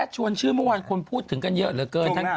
ชวนชื่อเมื่อวานคนพูดถึงกันเยอะเหลือเกิน